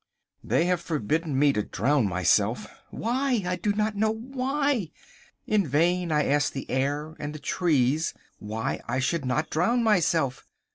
They have forbidden me to drown myself. Why! I do not know why? In vain I ask the air and the trees why I should not drown myself?